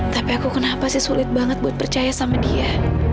tapi aku kenapa sih sulit banget buat percaya sama dia